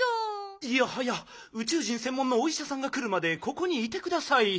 いやはやうちゅう人せんもんのおいしゃさんがくるまでここにいてください。